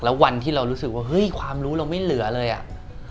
แล้ววันที่เรารู้สึกว่าเฮ้ยความรู้เราไม่เหลือเลยอ่ะ